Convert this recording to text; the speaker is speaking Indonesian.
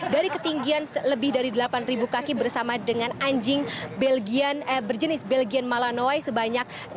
dari ketinggian lebih dari delapan ribu kaki bersama dengan anjing belgian berjenis belgian malinois sebanyak enam